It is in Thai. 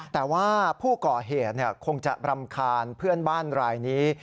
แต่ว่าผู้ก่อเหตุคงจะรำคาญเพื่อนบ้านรายนี้